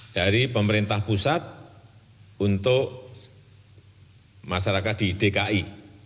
dari pemerintah pusat untuk masyarakat di dki